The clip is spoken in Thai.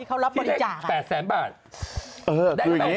เขารับบริจาคอ่ะที่เทค๘๐๐๐๐๐บาท